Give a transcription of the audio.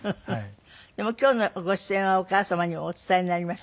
でも今日のご出演はお母様にもお伝えになりました？